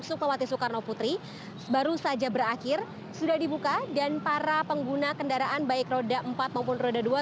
sukmawati soekarno putri baru saja berakhir sudah dibuka dan para pengguna kendaraan baik roda empat maupun roda dua